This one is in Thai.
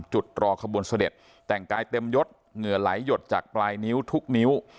รอขบวนเสด็จแต่งกายเต็มยดเหงื่อไหลหยดจากปลายนิ้วทุกนิ้ว